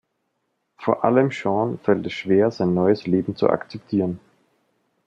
Vor allem Sean fällt es schwer, sein neues Leben zu akzeptieren.